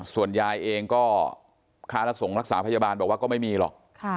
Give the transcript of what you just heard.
ส่วนยายเองก็ค่ารักษาพยาบาลบอกว่าก็ไม่มีหรอก